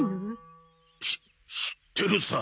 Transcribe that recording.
し知ってるさ。